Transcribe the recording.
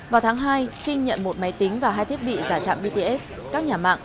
vào tháng hai trinh nhận một máy tính và hai thiết bị giả trạm bts các nhà mạng